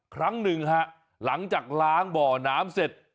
ครั้งหนึ่งฮะหลังจากล้างบ่อน้ำเสร็จ